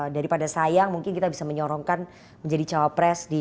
daripada sayang mungkin kita bisa menyorongkan menjadi cowok pres di koalisi perubahan